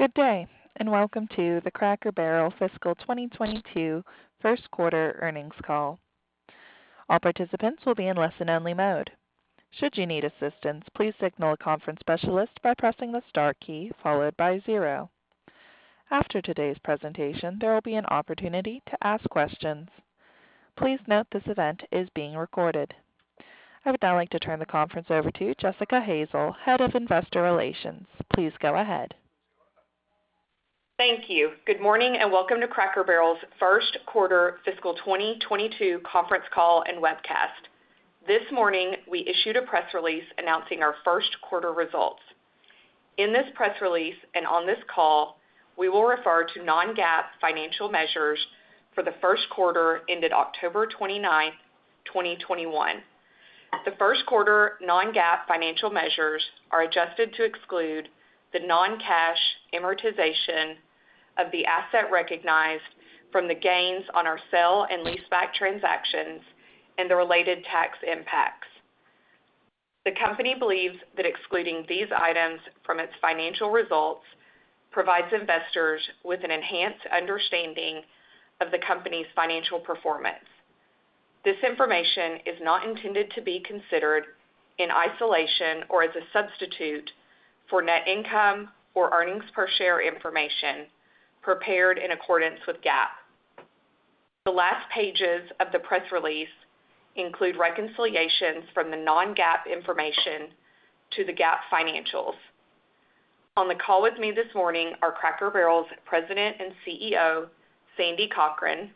Good day, and welcome to the Cracker Barrel Fiscal 2022 First Quarter Earnings Call. All participants will be in listen only mode. Should you need assistance, please signal a conference specialist by pressing the star key followed by zero. After today's presentation, there will be an opportunity to ask questions. Please note this event is being recorded. I would now like to turn the conference over to Jessica Hazel, Head of Investor Relations. Please go ahead. Thank you. Good morning and welcome to Cracker Barrel's first quarter fiscal 2022 conference call and webcast. This morning, we issued a press release announcing our first quarter results. In this press release and on this call, we will refer to non-GAAP financial measures for the first quarter ended October 29, 2021. The first quarter non-GAAP financial measures are adjusted to exclude the non-cash amortization of the asset recognized from the gains on our sale and leaseback transactions and the related tax impacts. The company believes that excluding these items from its financial results provides investors with an enhanced understanding of the company's financial performance. This information is not intended to be considered in isolation or as a substitute for net income or earnings per share information prepared in accordance with GAAP. The last pages of the press release include reconciliations from the non-GAAP information to the GAAP financials. On the call with me this morning are Cracker Barrel's President and CEO, Sandy Cochran,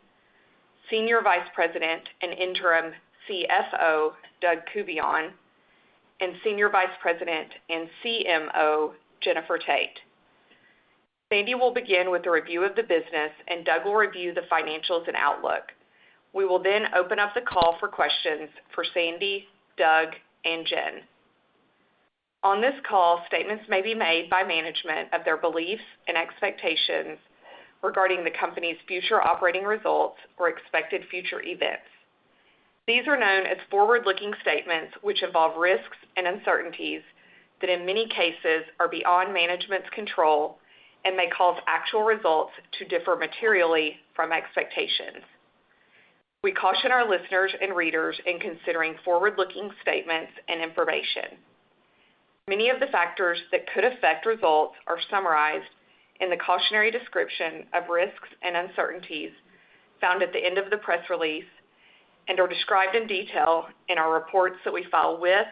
Senior Vice President and Interim CFO, Doug Couvillion, and Senior Vice President and CMO, Jennifer Tate. Sandy will begin with a review of the business, and Doug will review the financials and outlook. We will then open up the call for questions for Sandy, Doug, and Jen. On this call, statements may be made by management of their beliefs and expectations regarding the company's future operating results or expected future events. These are known as forward-looking statements which involve risks and uncertainties that in many cases are beyond management's control and may cause actual results to differ materially from expectations. We caution our listeners and readers in considering forward-looking statements and information. Many of the factors that could affect results are summarized in the cautionary description of risks and uncertainties found at the end of the press release and are described in detail in our reports that we file with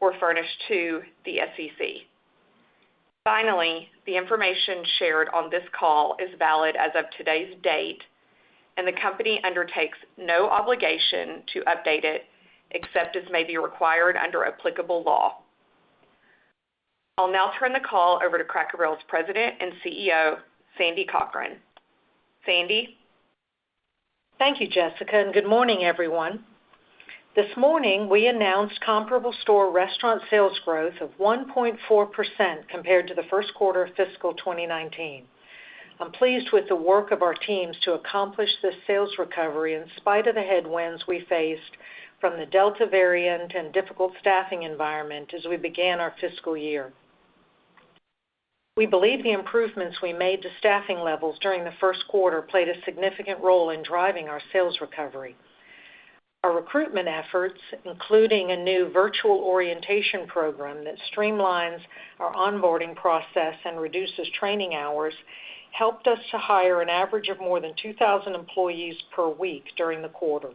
or furnish to the SEC. Finally, the information shared on this call is valid as of today's date, and the company undertakes no obligation to update it except as may be required under applicable law. I'll now turn the call over to Cracker Barrel's President and CEO, Sandy Cochran. Sandy. Thank you, Jessica, and good morning, everyone. This morning, we announced comparable store restaurant sales growth of 1.4% compared to the first quarter of fiscal 2019. I'm pleased with the work of our teams to accomplish this sales recovery in spite of the headwinds we faced from the Delta variant and difficult staffing environment as we began our fiscal year. We believe the improvements we made to staffing levels during the first quarter played a significant role in driving our sales recovery. Our recruitment efforts, including a new virtual orientation program that streamlines our onboarding process and reduces training hours, helped us to hire an average of more than 2,000 employees per week during the quarter.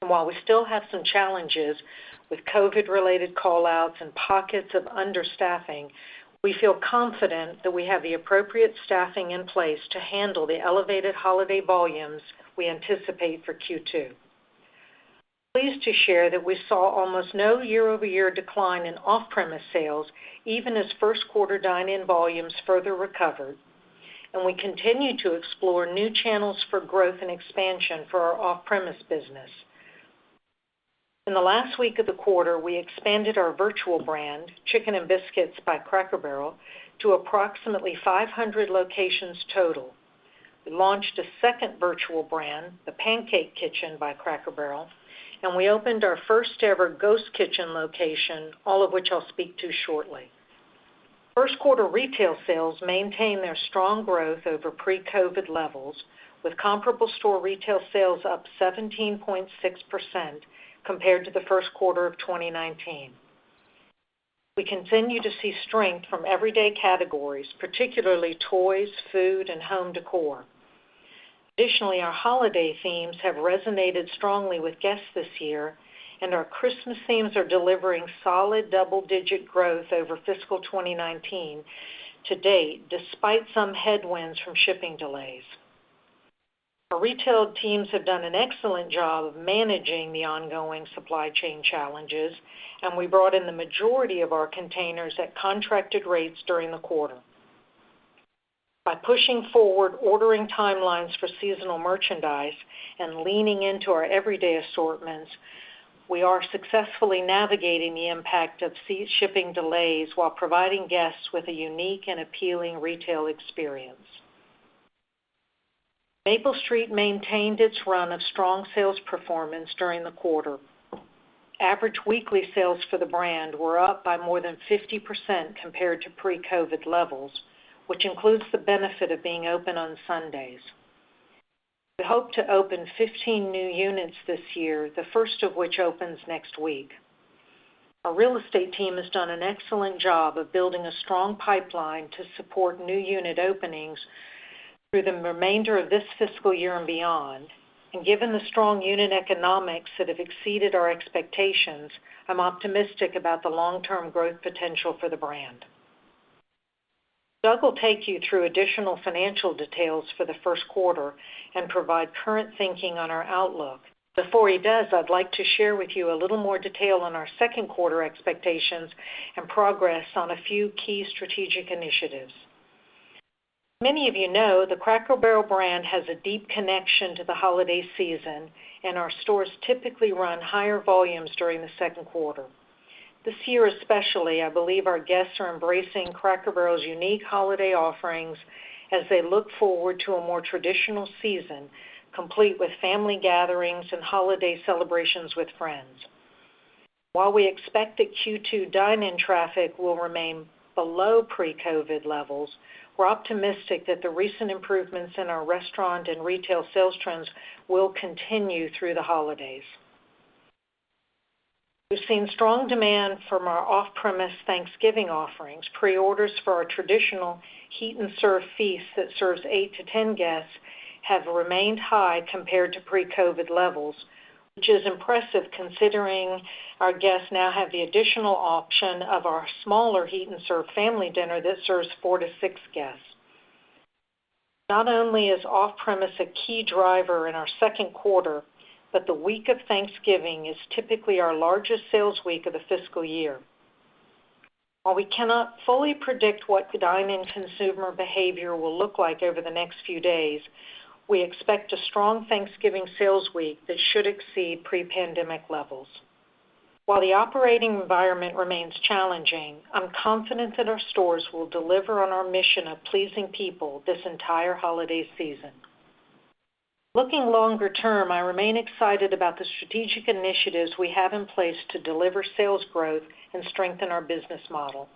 While we still have some challenges with COVID-related call-outs and pockets of understaffing, we feel confident that we have the appropriate staffing in place to handle the elevated holiday volumes we anticipate for Q2. Pleased to share that we saw almost no year-over-year decline in off-premise sales, even as first quarter dine-in volumes further recovered. We continue to explore new channels for growth and expansion for our off-premise business. In the last week of the quarter, we expanded our virtual brand, Chicken n' Biscuits by Cracker Barrel, to approximately 500 locations total. We launched a second virtual brand, The Pancake Kitchen by Cracker Barrel, and we opened our first ever ghost kitchen location, all of which I'll speak to shortly. First quarter retail sales maintain their strong growth over pre-COVID levels, with comparable store retail sales up 17.6% compared to the first quarter of 2019. We continue to see strength from everyday categories, particularly toys, food, and home decor. Additionally, our holiday themes have resonated strongly with guests this year, and our Christmas themes are delivering solid double-digit growth over fiscal 2019 to date, despite some headwinds from shipping delays. Our retail teams have done an excellent job of managing the ongoing supply chain challenges, and we brought in the majority of our containers at contracted rates during the quarter. By pushing forward ordering timelines for seasonal merchandise and leaning into our everyday assortments, we are successfully navigating the impact of sea shipping delays while providing guests with a unique and appealing retail experience. Maple Street maintained its run of strong sales performance during the quarter. Average weekly sales for the brand were up by more than 50% compared to pre-COVID levels, which includes the benefit of being open on Sundays. We hope to open 15 new units this year, the first of which opens next week. Our real estate team has done an excellent job of building a strong pipeline to support new unit openings through the remainder of this fiscal year and beyond, and given the strong unit economics that have exceeded our expectations, I'm optimistic about the long-term growth potential for the brand. Doug will take you through additional financial details for the first quarter and provide current thinking on our outlook. Before he does, I'd like to share with you a little more detail on our second quarter expectations and progress on a few key strategic initiatives. Many of you know, the Cracker Barrel brand has a deep connection to the holiday season, and our stores typically run higher volumes during the second quarter. This year especially, I believe our guests are embracing Cracker Barrel's unique holiday offerings as they look forward to a more traditional season, complete with family gatherings and holiday celebrations with friends. While we expect that Q2 dine-in traffic will remain below pre-COVID levels, we're optimistic that the recent improvements in our restaurant and retail sales trends will continue through the holidays. We've seen strong demand from our off-premise Thanksgiving offerings. Preorders for our traditional heat-and-serve feast that serves 8-10 guests have remained high compared to pre-COVID levels, which is impressive considering our guests now have the additional option of our smaller heat-and-serve family dinner that serves four to six guests. Not only is off-premise a key driver in our second quarter, but the week of Thanksgiving is typically our largest sales week of the fiscal year. While we cannot fully predict what the dine-in consumer behavior will look like over the next few days, we expect a strong Thanksgiving sales week that should exceed pre-pandemic levels. While the operating environment remains challenging, I'm confident that our stores will deliver on our mission of pleasing people this entire holiday season. Looking longer term, I remain excited about the strategic initiatives we have in place to deliver sales growth and strengthen our business model.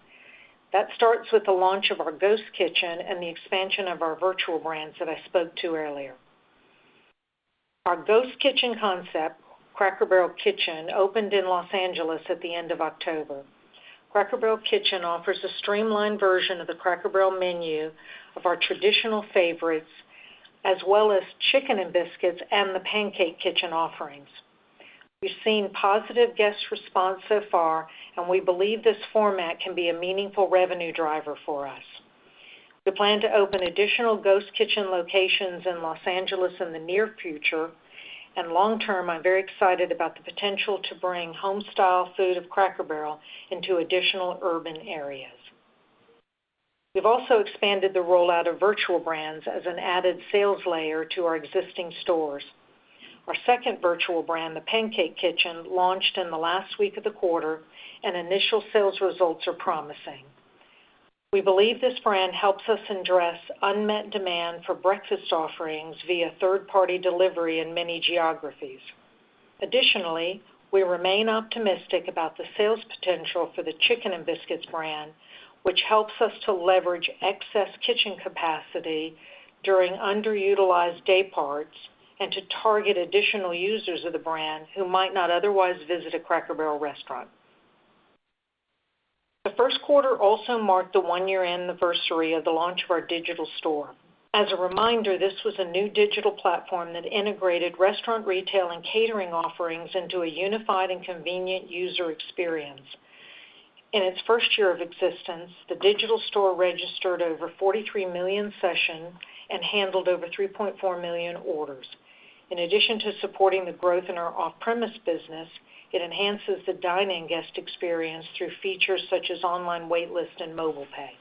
That starts with the launch of our ghost kitchen and the expansion of our virtual brands that I spoke to earlier. Our ghost kitchen concept, Cracker Barrel Kitchen, opened in Los Angeles at the end of October. Cracker Barrel Kitchen offers a streamlined version of the Cracker Barrel menu of our traditional favorites, as well as Chicken n' Biscuits and the Pancake Kitchen offerings. We've seen positive guest response so far, and we believe this format can be a meaningful revenue driver for us. We plan to open additional ghost kitchen locations in Los Angeles in the near future, and long term, I'm very excited about the potential to bring home-style food of Cracker Barrel into additional urban areas. We've also expanded the rollout of virtual brands as an added sales layer to our existing stores. Our second virtual brand, The Pancake Kitchen, launched in the last week of the quarter, and initial sales results are promising. We believe this brand helps us address unmet demand for breakfast offerings via third-party delivery in many geographies. Additionally, we remain optimistic about the sales potential for the Chicken n' Biscuits brand, which helps us to leverage excess kitchen capacity during underutilized day parts and to target additional users of the brand who might not otherwise visit a Cracker Barrel restaurant. The first quarter also marked the one-year anniversary of the launch of our digital store. As a reminder, this was a new digital platform that integrated restaurant, retail, and catering offerings into a unified and convenient user experience. In its first year of existence, the digital store registered over 43 million sessions and handled over 3.4 million orders. In addition to supporting the growth in our off-premise business, it enhances the dine-in guest experience through features such as online wait list and mobile pay.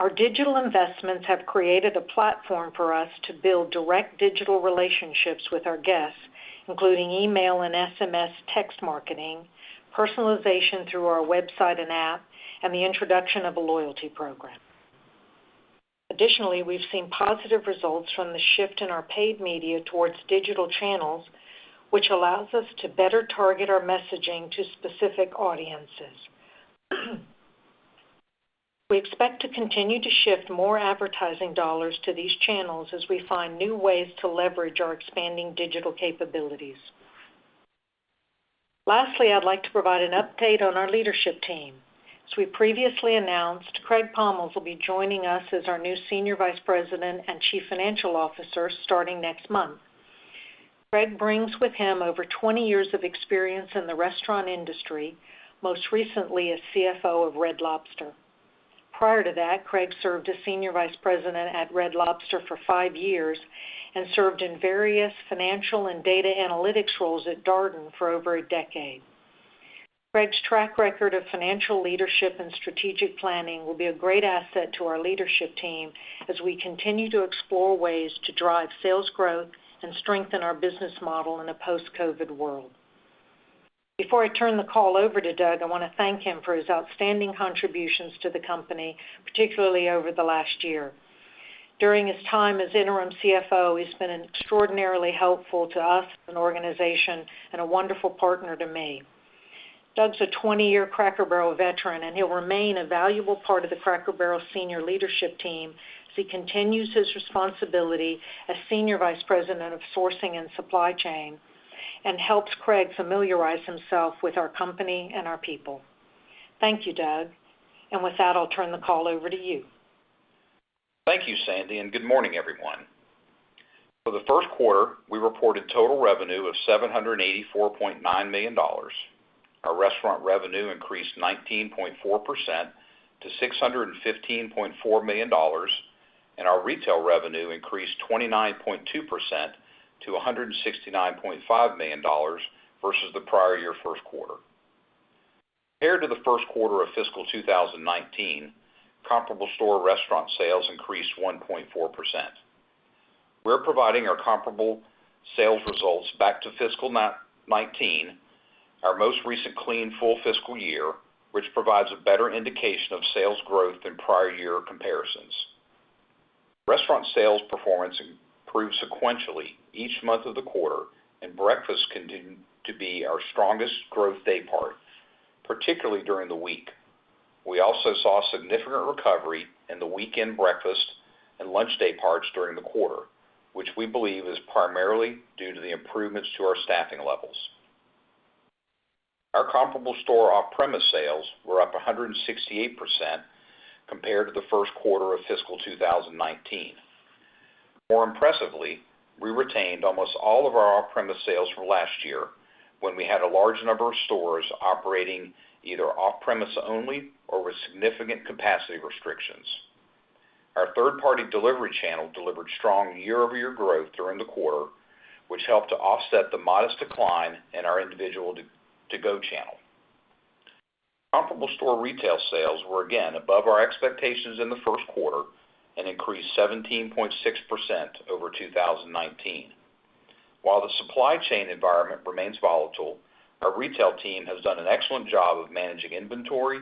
Our digital investments have created a platform for us to build direct digital relationships with our guests, including email and SMS text marketing, personalization through our website and app, and the introduction of a loyalty program. Additionally, we've seen positive results from the shift in our paid media towards digital channels, which allows us to better target our messaging to specific audiences. We expect to continue to shift more advertising dollars to these channels as we find new ways to leverage our expanding digital capabilities. Lastly, I'd like to provide an update on our leadership team. As we previously announced, Craig Pommells will be joining us as our new Senior Vice President and Chief Financial Officer starting next month. Craig brings with him over 20 years of experience in the restaurant industry, most recently as CFO of Red Lobster. Prior to that, Craig Pommells served as Senior Vice President at Red Lobster for five years and served in various financial and data analytics roles at Darden for over a decade. Craig Pommells's track record of financial leadership and strategic planning will be a great asset to our leadership team as we continue to explore ways to drive sales growth and strengthen our business model in a post-COVID world. Before I turn the call over to Doug Couvillion, I wanna thank him for his outstanding contributions to the company, particularly over the last year. During his time as Interim CFO, he's been extraordinarily helpful to us as an organization and a wonderful partner to me. Doug's a 20-year Cracker Barrel veteran, and he'll remain a valuable part of the Cracker Barrel senior leadership team as he continues his responsibility as Senior Vice President of Sourcing and Supply Chain, and helps Craig familiarize himself with our company and our people. Thank you, Doug. With that, I'll turn the call over to you. Thank you, Sandy, and good morning, everyone. For the first quarter, we reported total revenue of $784.9 million. Our restaurant revenue increased 19.4% to $615.4 million, and our retail revenue increased 29.2% to $169.5 million versus the prior year first quarter. Compared to the first quarter of fiscal 2019, comparable store restaurant sales increased 1.4%. We're providing our comparable sales results back to fiscal 2019, our most recent clean full fiscal year, which provides a better indication of sales growth than prior year comparisons. Restaurant sales performance improved sequentially each month of the quarter, and breakfast continued to be our strongest growth daypart, particularly during the week. We also saw significant recovery in the weekend breakfast and lunch dayparts during the quarter, which we believe is primarily due to the improvements to our staffing levels. Our comparable store off-premise sales were up 168% compared to the first quarter of fiscal 2019. More impressively, we retained almost all of our off-premise sales from last year, when we had a large number of stores operating either off-premise only or with significant capacity restrictions. Our third-party delivery channel delivered strong year-over-year growth during the quarter, which helped to offset the modest decline in our individual to-go channel. Comparable store retail sales were again above our expectations in the first quarter and increased 17.6% over 2019. While the supply chain environment remains volatile, our retail team has done an excellent job of managing inventory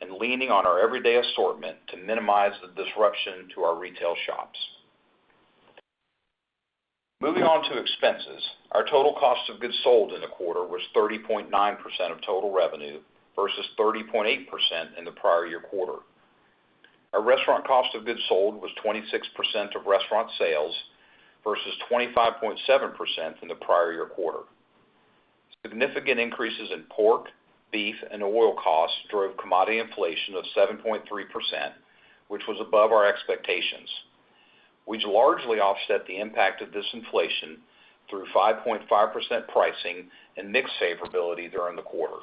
and leaning on our everyday assortment to minimize the disruption to our retail shops. Moving on to expenses. Our total cost of goods sold in the quarter was 30.9% of total revenue versus 30.8% in the prior year quarter. Our restaurant cost of goods sold was 26% of restaurant sales versus 25.7% in the prior year quarter. Significant increases in pork, beef, and oil costs drove commodity inflation of 7.3%, which was above our expectations, which largely offset the impact of this inflation through 5.5% pricing and mix favorability during the quarter.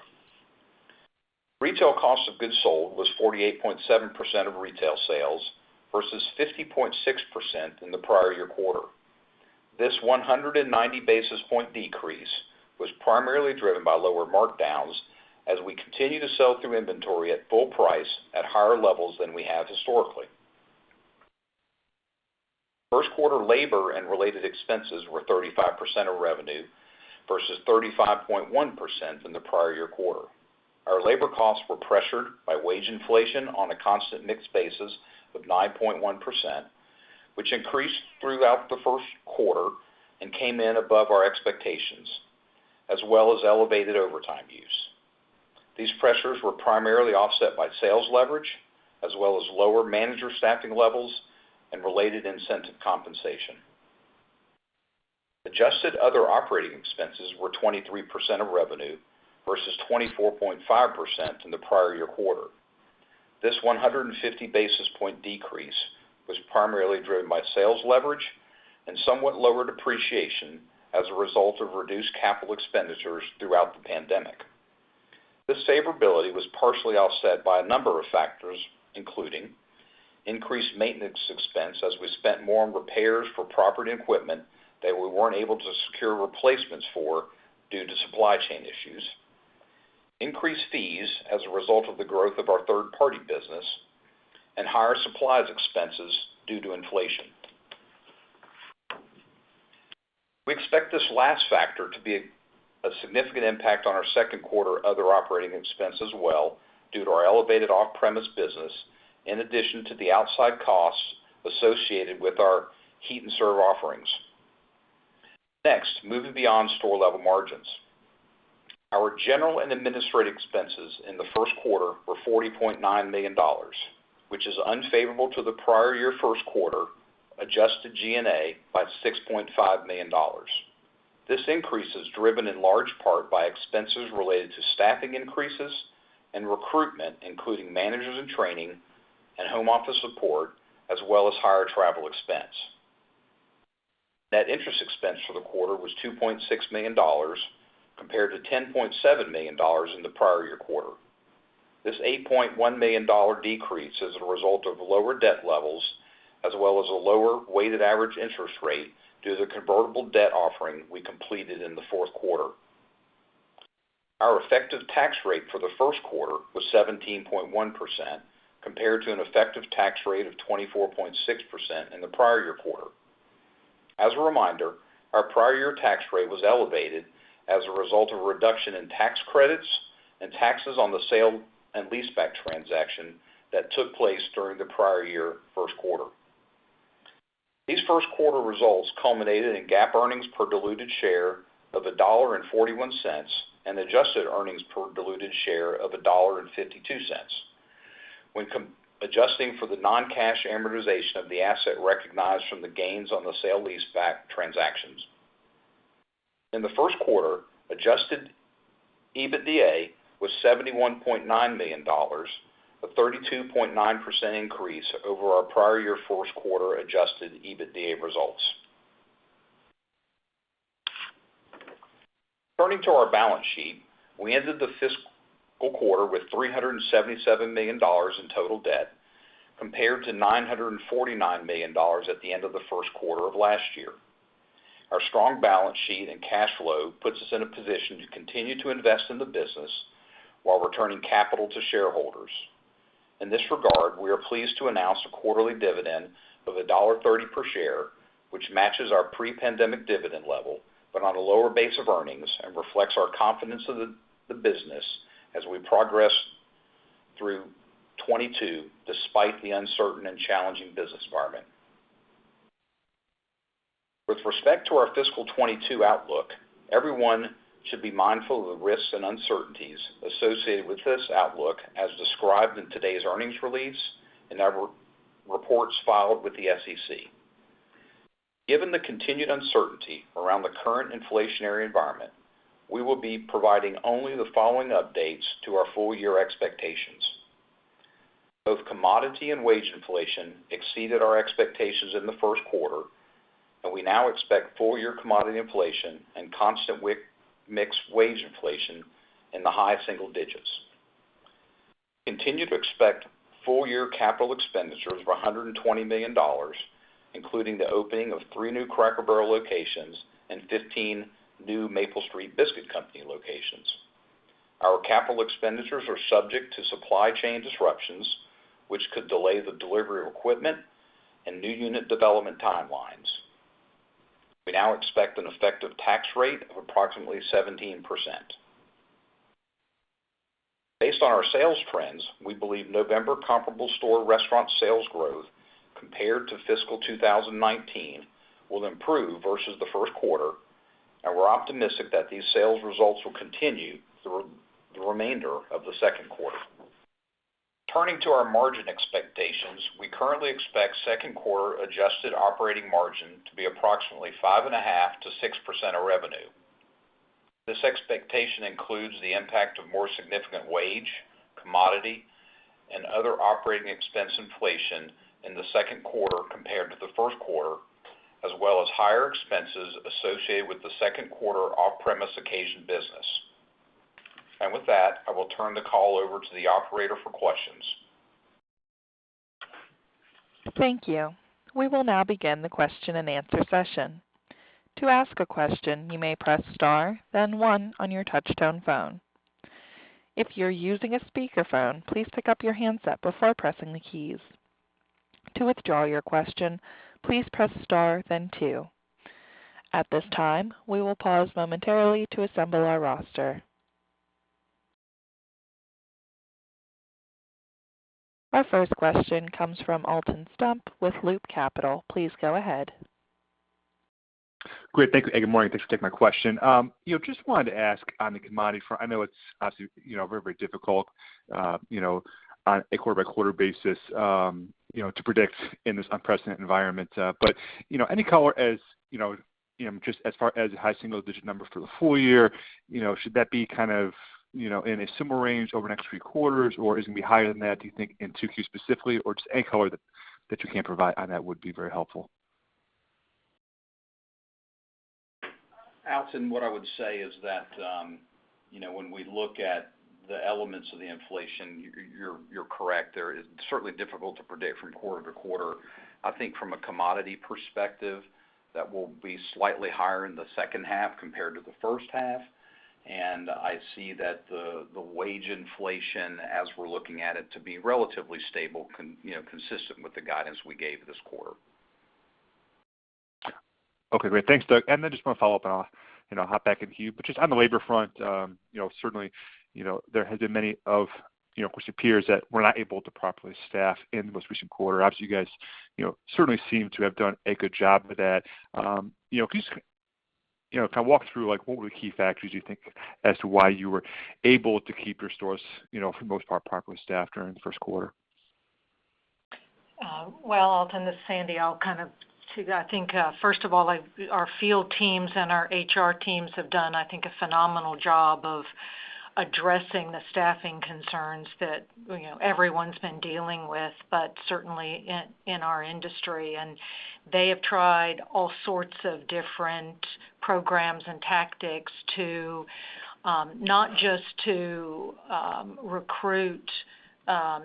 Retail cost of goods sold was 48.7% of retail sales versus 50.6% in the prior year quarter. This 190 basis point decrease was primarily driven by lower markdowns as we continue to sell through inventory at full price at higher levels than we have historically. First quarter labor and related expenses were 35% of revenue versus 35.1% in the prior year quarter. Our labor costs were pressured by wage inflation on a constant mix basis of 9.1%, which increased throughout the first quarter and came in above our expectations, as well as elevated overtime use. These pressures were primarily offset by sales leverage as well as lower manager staffing levels and related incentive compensation. Adjusted other operating expenses were 23% of revenue versus 24.5% in the prior year quarter. This 150 basis point decrease was primarily driven by sales leverage and somewhat lower depreciation as a result of reduced capital expenditures throughout the pandemic. This favorability was partially offset by a number of factors, including increased maintenance expense as we spent more on repairs for property and equipment that we weren't able to secure replacements for due to supply chain issues, increased fees as a result of the growth of our third-party business, and higher supplies expenses due to inflation. We expect this last factor to be a significant impact on our second quarter other operating expense as well due to our elevated off-premise business in addition to the outside costs associated with our heat and serve offerings. Next, moving beyond store-level margins. Our general and administrative expenses in the first quarter were $40.9 million, which is unfavorable to the prior year first quarter, adjusted G&A by $6.5 million. This increase is driven in large part by expenses related to staffing increases and recruitment, including managers in training and home office support, as well as higher travel expense. Net interest expense for the quarter was $2.6 million compared to $10.7 million in the prior year quarter. This $8.1 million decrease is a result of lower debt levels as well as a lower weighted average interest rate due to the convertible debt offering we completed in the fourth quarter. Our effective tax rate for the first quarter was 17.1% compared to an effective tax rate of 24.6% in the prior year quarter. As a reminder, our prior year tax rate was elevated as a result of a reduction in tax credits and taxes on the sale and leaseback transaction that took place during the prior year first quarter. These first quarter results culminated in GAAP earnings per diluted share of $1.41 and adjusted earnings per diluted share of $1.52 when adjusting for the non-cash amortization of the asset recognized from the gains on the sale leaseback transactions. In the first quarter, adjusted EBITDA was $71.9 million, a 32.9% increase over our prior year first quarter adjusted EBITDA results. Turning to our balance sheet, we ended the fiscal quarter with $377 million in total debt compared to $949 million at the end of the first quarter of last year. Our strong balance sheet and cash flow puts us in a position to continue to invest in the business while returning capital to shareholders. In this regard, we are pleased to announce a quarterly dividend of $1.30 per share, which matches our pre-pandemic dividend level, but on a lower base of earnings and reflects our confidence in the business as we progress through 2022, despite the uncertain and challenging business environment. With respect to our fiscal 2022 outlook, everyone should be mindful of the risks and uncertainties associated with this outlook, as described in today's earnings release and our reports filed with the SEC. Given the continued uncertainty around the current inflationary environment, we will be providing only the following updates to our full year expectations. Both commodity and wage inflation exceeded our expectations in the first quarter, and we now expect full year commodity inflation and constant mix wage inflation in the high single digits. Continue to expect full year capital expenditures of $120 million, including the opening of three new Cracker Barrel locations and 15 new Maple Street Biscuit Company locations. Our capital expenditures are subject to supply chain disruptions, which could delay the delivery of equipment and new unit development timelines. We now expect an effective tax rate of approximately 17%. Based on our sales trends, we believe November comparable store restaurant sales growth compared to fiscal 2019 will improve versus the first quarter, and we're optimistic that these sales results will continue through the remainder of the second quarter. Turning to our margin expectations, we currently expect second quarter adjusted operating margin to be approximately 5.5%-6% of revenue. This expectation includes the impact of more significant wage, commodity, and other operating expense inflation in the second quarter compared to the first quarter, as well as higher expenses associated with the second quarter off-premise occasion business. With that, I will turn the call over to the operator for questions. Thank you. We will now begin the question-and-answer session. To ask a question, you may press star, then one on your touchtone phone. If you're using a speakerphone, please pick up your handset before pressing the keys. To withdraw your question, please press star then two. At this time, we will pause momentarily to assemble our roster. Our first question comes from Alton Stump with Loop Capital. Please go ahead. Great. Thank you. Good morning. Thanks for taking my question. You know, just wanted to ask on the commodity front, I know it's obviously, you know, very, very difficult, you know, on a quarter-by-quarter basis, you know, to predict in this unprecedented environment. But, you know, any color, you know, just as far as high single digit numbers for the full year, you know, should that be kind of, you know, in a similar range over the next three quarters, or is it gonna be higher than that, do you think, in 2Q specifically, or just any color that you can provide on that would be very helpful. Alton, what I would say is that, you know, when we look at the elements of the inflation, you're correct. It is certainly difficult to predict from quarter to quarter. I think from a commodity perspective, that will be slightly higher in the second half compared to the first half. I see that the wage inflation as we're looking at it to be relatively stable, you know, consistent with the guidance we gave this quarter. Okay, great. Thanks, Doug. I just want to follow up and I'll, you know, hop back in the queue. Just on the labor front, you know, certainly, you know, there have been many, of course, your peers that were not able to properly staff in the most recent quarter. Obviously, you guys, you know, certainly seem to have done a good job with that. You know, can you just, you know, kind of walk through, like what were the key factors you think as to why you were able to keep your stores, you know, for the most part, properly staffed during the first quarter? Well, Alton, this is Sandy. I think, first of all, like our field teams and our HR teams have done, I think, a phenomenal job of addressing the staffing concerns that, you know, everyone's been dealing with, but certainly in our industry. They have tried all sorts of different programs and tactics to not just recruit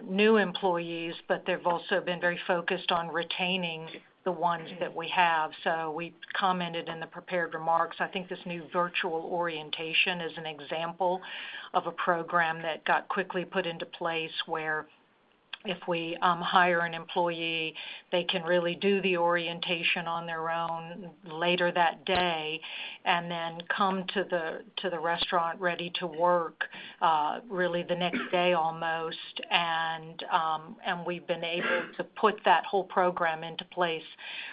new employees, but they've also been very focused on retaining the ones that we have. We commented in the prepared remarks. I think this new virtual orientation is an example of a program that got quickly put into place where if we hire an employee, they can really do the orientation on their own later that day and then come to the restaurant ready to work, really the next day almost. We've been able to put that whole program into place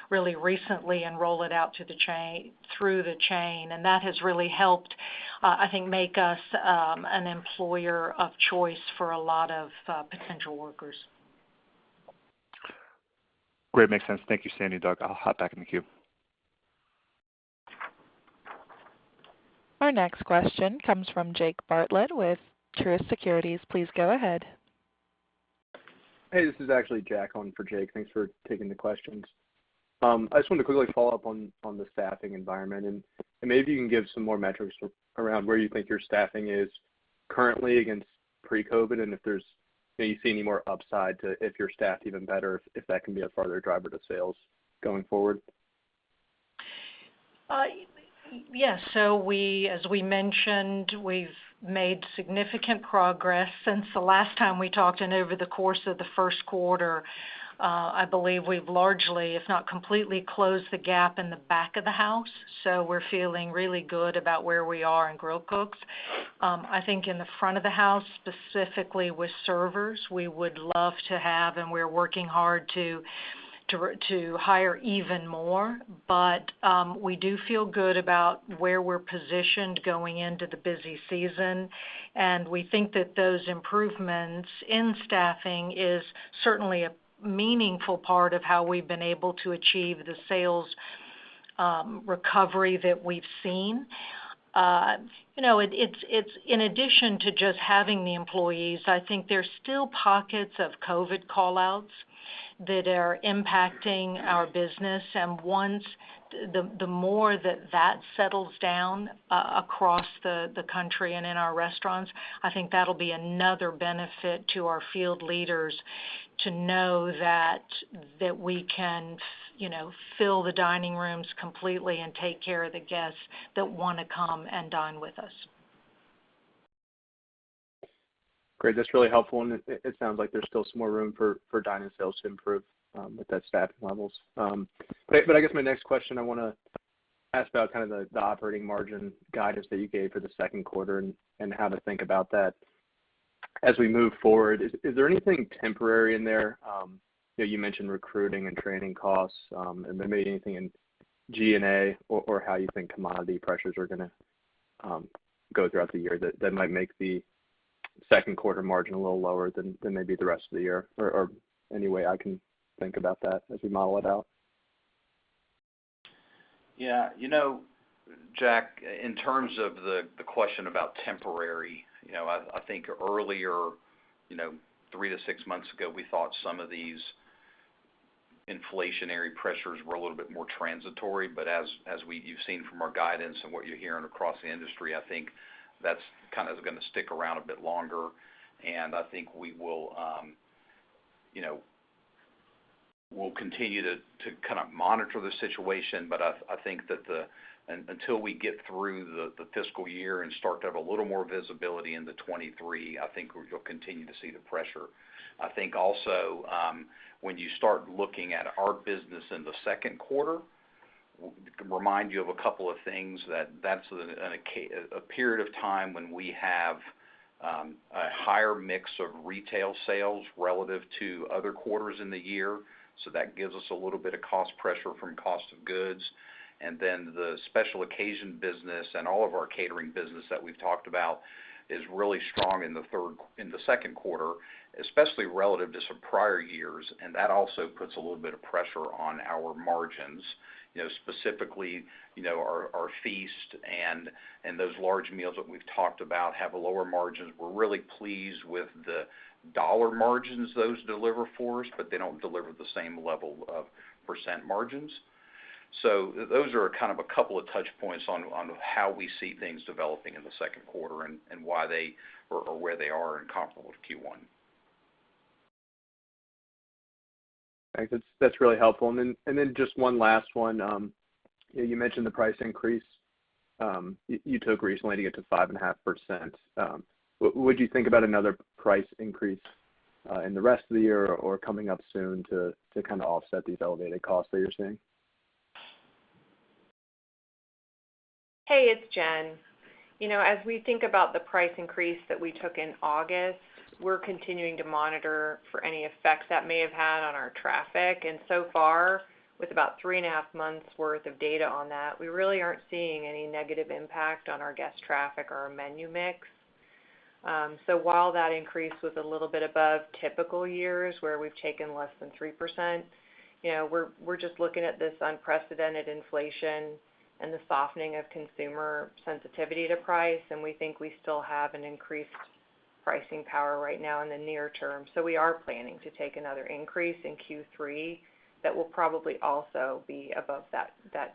really recently and roll it out through the chain. That has really helped, I think, make us an employer of choice for a lot of potential workers. Great. Makes sense. Thank you, Sandy and Doug. I'll hop back in the queue. Our next question comes from Jake Bartlett with Truist Securities. Please go ahead. Hey, this is actually Jack on for Jake. Thanks for taking the questions. I just wanted to quickly follow up on the staffing environment, and maybe you can give some more metrics around where you think your staffing is currently against pre-COVID. If there's maybe you see any more upside to if you're staffed even better, if that can be a further driver to sales going forward. As we mentioned, we've made significant progress since the last time we talked. Over the course of the first quarter, I believe we've largely, if not completely closed the gap in the back of the house. We're feeling really good about where we are in grill cooks. I think in the front of the house, specifically with servers, we would love to have, and we're working hard to hire even more. We do feel good about where we're positioned going into the busy season. We think that those improvements in staffing is certainly a meaningful part of how we've been able to achieve the sales recovery that we've seen. You know, it's in addition to just having the employees. I think there's still pockets of COVID call-outs that are impacting our business. Once the more that settles down across the country and in our restaurants, I think that'll be another benefit to our field leaders to know that we can, you know, fill the dining rooms completely and take care of the guests that want to come and dine with us. Great. That's really helpful. It sounds like there's still some more room for dine-in sales to improve with that staffing levels. But I guess my next question I wanna ask about kind of the operating margin guidance that you gave for the second quarter and how to think about that. As we move forward, is there anything temporary in there? You know, you mentioned recruiting and training costs, and then maybe anything in G&A or how you think commodity pressures are gonna go throughout the year that might make the second quarter margin a little lower than maybe the rest of the year? Or any way I can think about that as we model it out. Yeah. You know, Jack, in terms of the question about temporary, you know, I think earlier, you know, three to six months ago, we thought some of these inflationary pressures were a little bit more transitory. As you've seen from our guidance and what you're hearing across the industry, I think that's kind of gonna stick around a bit longer. I think we will, you know, we'll continue to kind of monitor the situation. I think that until we get through the fiscal year and start to have a little more visibility into 2023, I think we'll continue to see the pressure. I think also, when you start looking at our business in the second quarter, remind you of a couple of things that that's a period of time when we have a higher mix of retail sales relative to other quarters in the year. That gives us a little bit of cost pressure from cost of goods. Then the special occasion business and all of our catering business that we've talked about is really strong in the second quarter, especially relative to some prior years, and that also puts a little bit of pressure on our margins. You know, specifically, you know, our feast and those large meals that we've talked about have lower margins. We're really pleased with the dollar margins those deliver for us, but they don't deliver the same level of percent margins. Those are kind of a couple of touch points on how we see things developing in the second quarter and why they or where they are in comparison to Q1. Thanks. That's really helpful. Then just one last one. You mentioned the price increase you took recently to get to 5.5%. Would you think about another price increase in the rest of the year or coming up soon to kind of offset these elevated costs that you're seeing? Hey, it's Jen. You know, as we think about the price increase that we took in August, we're continuing to monitor for any effects that may have had on our traffic. So far, with about 3.5 months' worth of data on that, we really aren't seeing any negative impact on our guest traffic or our menu mix. While that increase was a little bit above typical years where we've taken less than 3%, you know, we're just looking at this unprecedented inflation and the softening of consumer sensitivity to price, and we think we still have an increased pricing power right now in the near term. We are planning to take another increase in Q3 that will probably also be above that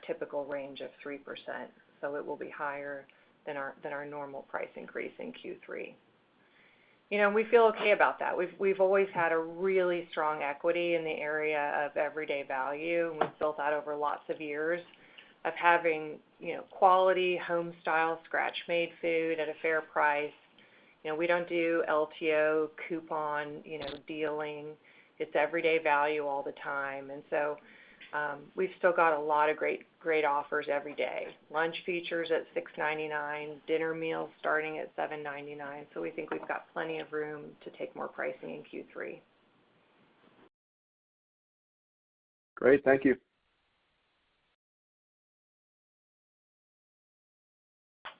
typical range of 3%. It will be higher than our normal price increase in Q3. You know, we feel okay about that. We've always had a really strong equity in the area of everyday value, and we've built that over lots of years of having, you know, quality home-style scratch-made food at a fair price. You know, we don't do LTO coupon, you know, dealing. It's everyday value all the time. We've still got a lot of great offers every day. Lunch features at $6.99, dinner meals starting at $7.99. We think we've got plenty of room to take more pricing in Q3. Great. Thank you.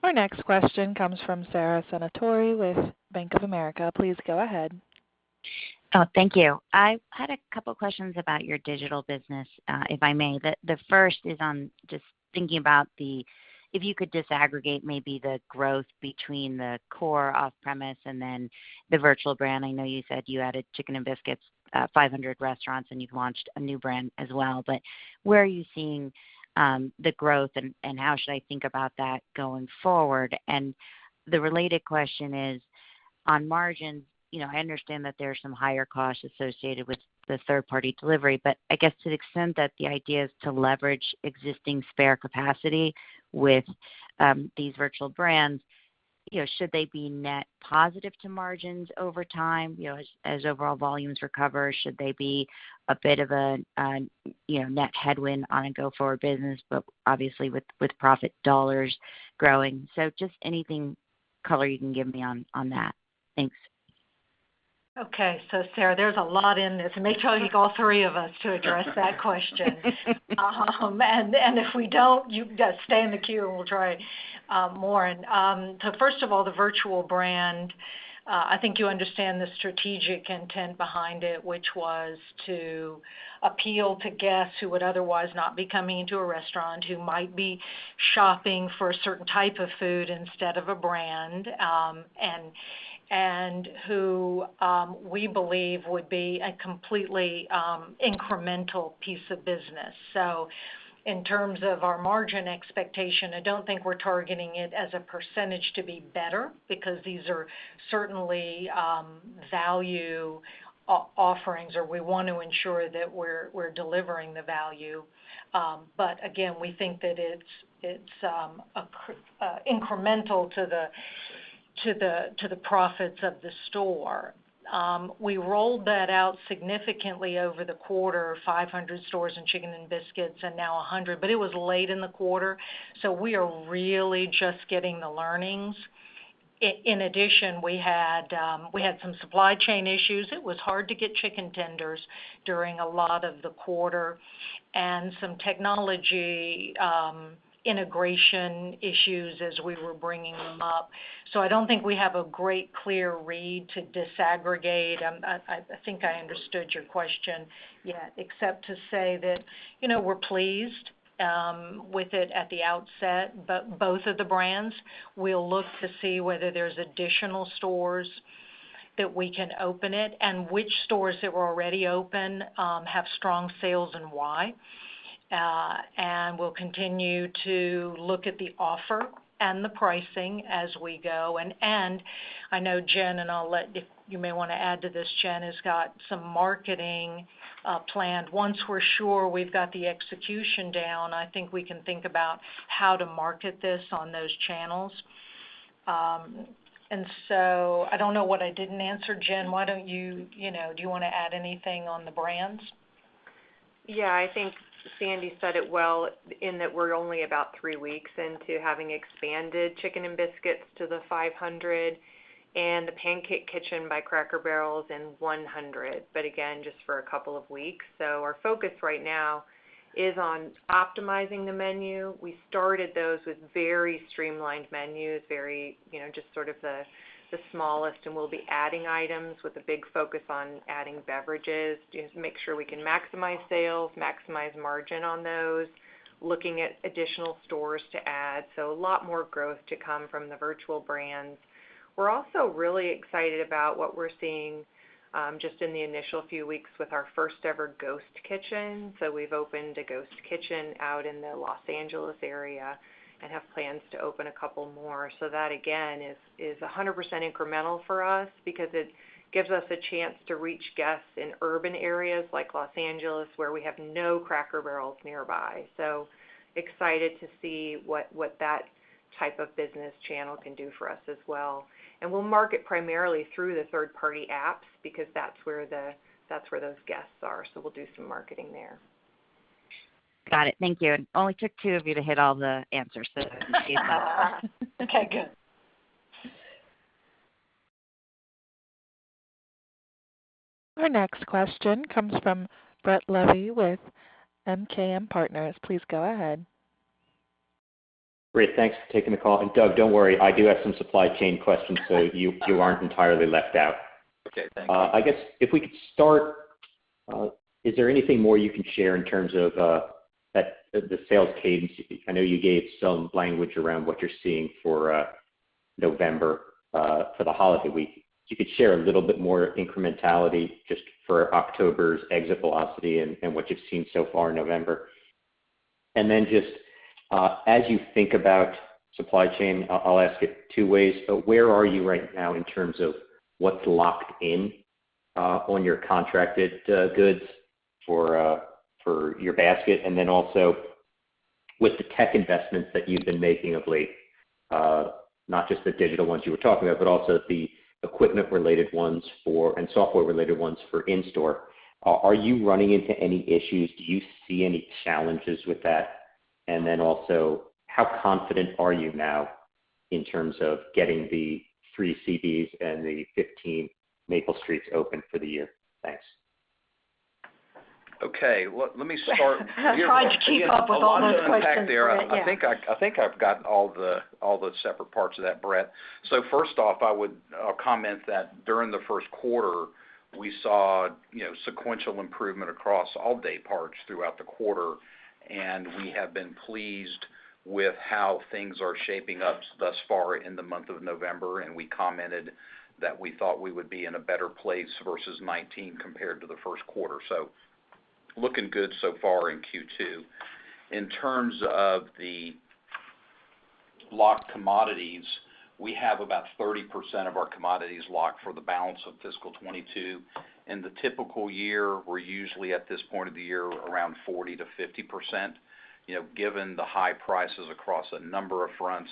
Our next question comes from Sara Senatore with Bank of America. Please go ahead. Oh, thank you. I had a couple questions about your digital business, if I may. The first is on just thinking about if you could disaggregate maybe the growth between the core off-premise and then the virtual brand. I know you said you added Chicken n' Biscuits, 500 restaurants, and you've launched a new brand as well. But where are you seeing the growth and how should I think about that going forward? The related question is on margins. You know, I understand that there are some higher costs associated with the third-party delivery, but I guess to the extent that the idea is to leverage existing spare capacity with these virtual brands, you know, should they be net positive to margins over time, you know, as overall volumes recover? Should they be a bit of a, you know, net headwind on a go-forward business, but obviously with profit dollars growing? Just anything color you can give me on that. Thanks. Okay. Sara Senatore, there's a lot in this, and they told me all three of us to address that question. If we don't, you can just stay in the queue, and we'll try more. First of all, the virtual brand, I think you understand the strategic intent behind it, which was to appeal to guests who would otherwise not be coming into a restaurant, who might be shopping for a certain type of food instead of a brand, and who we believe would be a completely incremental piece of business. In terms of our margin expectation, I don't think we're targeting it as a percentage to be better because these are certainly value offerings, or we want to ensure that we're delivering the value. Again, we think that it's incremental to the profits of the store. We rolled that out significantly over the quarter, 500 stores in Chicken n' Biscuits and now 100, but it was late in the quarter, so we are really just getting the learnings. In addition, we had some supply chain issues. It was hard to get chicken tenders during a lot of the quarter and some technology integration issues as we were bringing them up. I don't think we have a great clear read to disaggregate. I think I understood your question, yeah, except to say that, you know, we're pleased with it at the outset, but both of the brands, we'll look to see whether there's additional stores that we can open it and which stores that were already open have strong sales and why. We'll continue to look at the offer and the pricing as we go. I know Jennifer, and if you may want to add to this, Jennifer has got some marketing planned. Once we're sure we've got the execution down, I think we can think about how to market this on those channels. I don't know what I didn't answer. Jennifer, why don't you? You know, do you want to add anything on the brands? Yeah. I think Sandy said it well in that we're only about three weeks into having expanded Chicken n' Biscuits to the 500 and The Pancake Kitchen by Cracker Barrel in 100, but again, just for a couple of weeks. Our focus right now is on optimizing the menu. We started those with very streamlined menus, very, you know, just sort of the smallest, and we'll be adding items with a big focus on adding beverages just to make sure we can maximize sales, maximize margin on those, looking at additional stores to add. A lot more growth to come from the virtual brands. We're also really excited about what we're seeing just in the initial few weeks with our first ever ghost kitchen. We've opened a ghost kitchen out in the Los Angeles area and have plans to open a couple more. That, again, is 100% incremental for us because it gives us a chance to reach guests in urban areas like Los Angeles, where we have no Cracker Barrels nearby. Excited to see what that type of business channel can do for us as well. We'll market primarily through the third-party apps because that's where those guests are. We'll do some marketing there. Got it. Thank you. It only took two of you to hit all the answers, so appreciate that. Okay, good. Our next question comes from Brett Levy with MKM Partners. Please go ahead. Great. Thanks for taking the call. Doug, don't worry, I do have some supply chain questions, so you aren't entirely left out. I guess if we could start, is there anything more you can share in terms of than the sales cadence? I know you gave some language around what you're seeing for November, for the holiday week. If you could share a little bit more incrementality just for October's exit velocity and what you've seen so far in November. Then just, as you think about supply chain, I'll ask it two ways, but where are you right now in terms of what's locked in? On your contracted goods for your basket. Then also with the tech investments that you've been making of late, not just the digital ones you were talking about, but also the equipment related ones for, and software related ones for in-store. Are you running into any issues? Do you see any challenges with that? How confident are you now in terms of getting the 3 CBs and the 15 Maple Streets open for the year? Thanks. Okay, well, let me start. Try to keep up with all those questions, Brett, yeah. I think I've got all the separate parts of that, Brett. First off, I'll comment that during the first quarter, we saw, you know, sequential improvement across all day parts throughout the quarter, and we have been pleased with how things are shaping up thus far in the month of November. We commented that we thought we would be in a better place versus 2019 compared to the first quarter. Looking good so far in Q2. In terms of the locked commodities, we have about 30% of our commodities locked for the balance of fiscal 2022. In the typical year, we're usually at this point of the year around 40%-50%. You know, given the high prices across a number of fronts,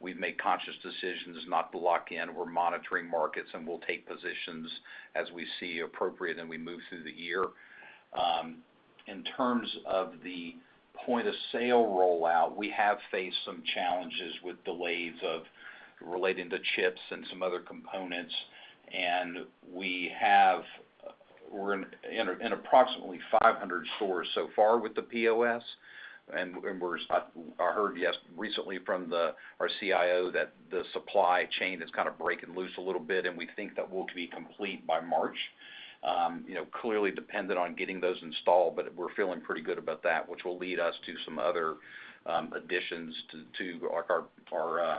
we've made conscious decisions not to lock in. We're monitoring markets, and we'll take positions as we see appropriate, and we move through the year. In terms of the point-of-sale rollout, we have faced some challenges with delays of relating to chips and some other components. We're in approximately 500 stores so far with the POS, and I heard yes recently from our CIO that the supply chain is kind of breaking loose a little bit, and we think that we'll be complete by March. Clearly dependent on getting those installed, but we're feeling pretty good about that, which will lead us to some other additions to, like, our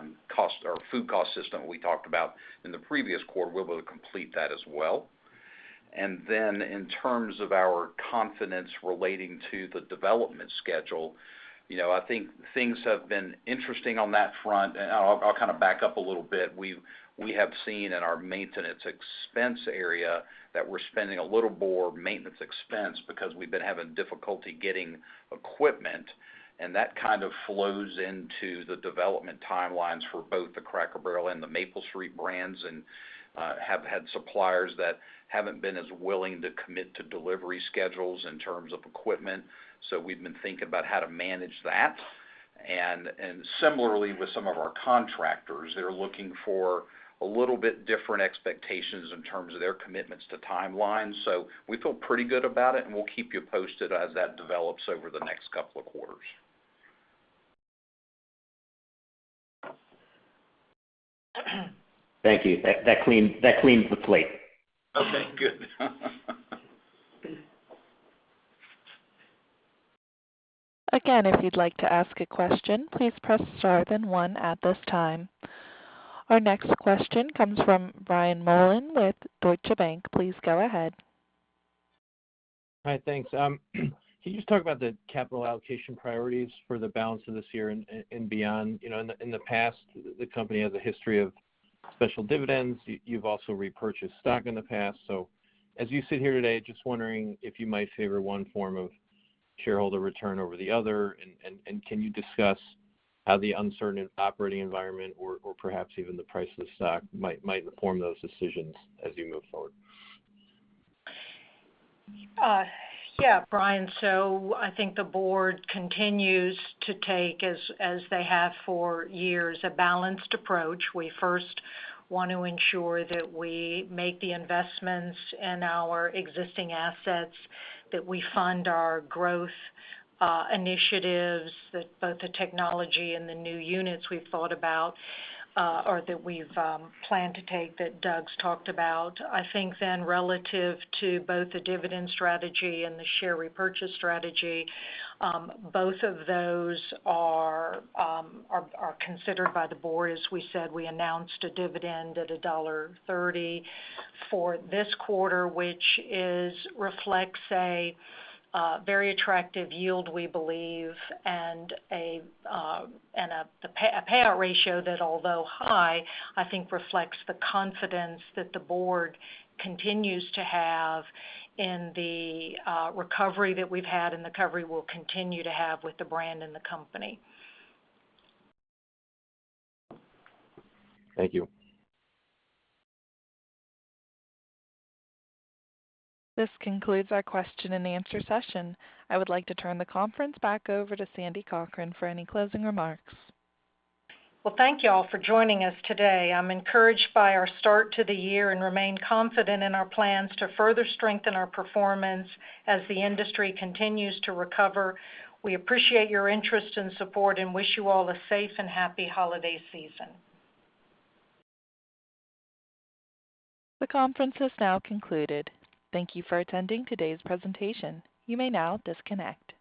food cost system we talked about in the previous quarter. We're able to complete that as well. In terms of our confidence relating to the development schedule, you know, I think things have been interesting on that front. I'll kind of back up a little bit. We have seen in our maintenance expense area that we're spending a little more maintenance expense because we've been having difficulty getting equipment. That kind of flows into the development timelines for both the Cracker Barrel and the Maple Street brands, and have had suppliers that haven't been as willing to commit to delivery schedules in terms of equipment. So we've been thinking about how to manage that. Similarly with some of our contractors, they're looking for a little bit different expectations in terms of their commitments to timelines. So we feel pretty good about it, and we'll keep you posted as that develops over the next couple of quarters. Thank you. That cleaned the plate. Okay, good. Again, if you'd like to ask a question, please press Star then one at this time. Our next question comes from Brian Mullan with Deutsche Bank. Please go ahead. Hi, thanks. Can you just talk about the capital allocation priorities for the balance of this year and beyond? You know, in the past, the company has a history of special dividends. You've also repurchased stock in the past. As you sit here today, just wondering if you might favor one form of shareholder return over the other, and can you discuss how the uncertain operating environment or perhaps even the price of the stock might inform those decisions as you move forward? Yeah, Brian. I think the board continues to take, as they have for years, a balanced approach. We first want to ensure that we make the investments in our existing assets, that we fund our growth initiatives that both the technology and the new units we've thought about or that we've planned to take that Doug's talked about. I think then relative to both the dividend strategy and the share repurchase strategy, both of those are considered by the board. As we said, we announced a dividend at $1.30 for this quarter, which reflects a very attractive yield, we believe, and a payout ratio that although high, I think reflects the confidence that the board continues to have in the recovery that we've had and the recovery we'll continue to have with the brand and the company. Thank you. This concludes our question and answer session. I would like to turn the conference back over to Sandy Cochran for any closing remarks. Well, thank you all for joining us today. I'm encouraged by our start to the year and remain confident in our plans to further strengthen our performance as the industry continues to recover. We appreciate your interest and support and wish you all a safe and happy holiday season. The conference is now concluded. Thank you for attending today's presentation. You may now disconnect.